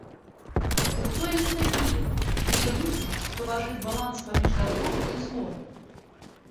Ды хто яны такія, тыя людзі, што важаць баланс паміж дабром і злом?!